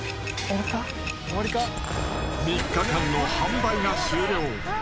３日間の販売が終了。